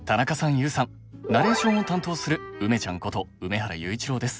ＹＯＵさんナレーションを担当する梅ちゃんこと梅原裕一郎です。